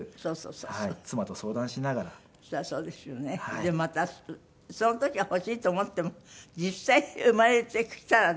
でまたその時は欲しいと思っても実際生まれてきたらね